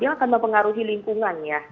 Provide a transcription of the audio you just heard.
dia akan mempengaruhi lingkungannya